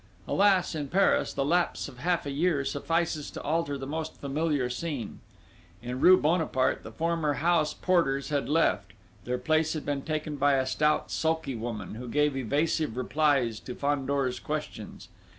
Alas, in Paris, the lapse of half a year suffices to alter the most familiar scene! In rue Bonaparte, the former house porters had left; their place had been taken by a stout, sulky woman who gave evasive replies to Fandor's questions.